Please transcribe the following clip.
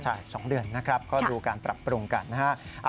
ใช่๒เดือนนะครับก็ดูการปรับปรุงกันนะฮะ